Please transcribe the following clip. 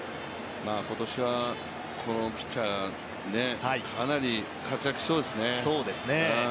今年はこのピッチャーがかなり活躍しそうですね。